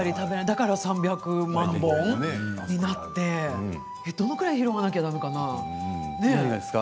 だから３００万本になってどのくらい拾わなきゃだめかな。